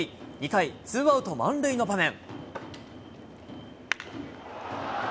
２回、ツーアウト満塁の場面。